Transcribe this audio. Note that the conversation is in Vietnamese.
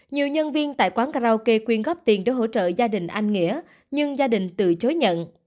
nhiều nhân viên tại quán karaoke quyên góp tiền để hỗ trợ gia đình anh nghĩa nhưng gia đình từ chối nhận